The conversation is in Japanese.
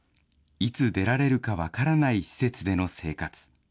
いつ出られるか分からない施設での生活。